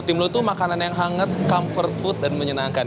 tim lu tuh makanan yang hangat comfort food dan menyenangkan